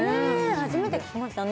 初めて聞きましたね